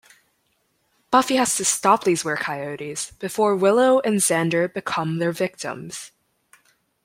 Buffy has to stop these werecoyotes before Willow and Xander become their victims.